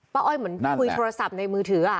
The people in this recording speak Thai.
อ้อยเหมือนคุยโทรศัพท์ในมือถือ